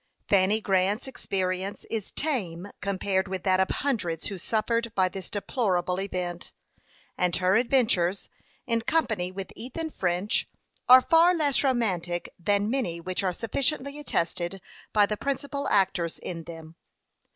Fanny Grant's experience is tame compared with that of hundreds who suffered by this deplorable event; and her adventures, in company with Ethan French, are far less romantic than many which are sufficiently attested by the principal actors in them.